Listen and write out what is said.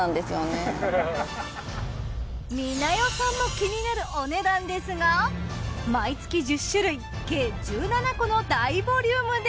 美奈代さんも気になるお値段ですが毎月１０種類計１７個の大ボリュームで。